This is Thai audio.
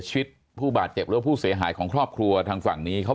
ชีวิตผู้บาดเจ็บหรือผู้เสียหายของครอบครัวทางฝั่งนี้เขา